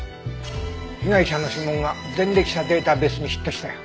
被害者の指紋が前歴者データベースにヒットしたよ。